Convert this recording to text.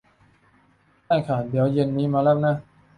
ได้ค่ะ เดี๋ยวเย็นนี้มารับนะ